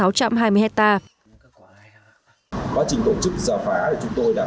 quá trình tổ chức giả phá chúng tôi đã bảo đảm nhanh ngọt chính xác an toàn